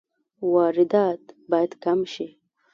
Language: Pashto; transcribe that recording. واردات باید کم شي